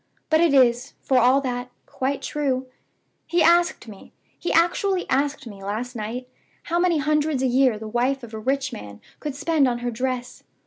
But it is, for all that, quite true. He asked me he actually asked me, last night how many hundreds a year the wife of a rich man could spend on her dress.